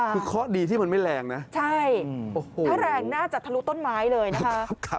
คือเคาะดีที่มันไม่แรงนะใช่ถ้าแรงน่าจะทะลุต้นไม้เลยนะคะ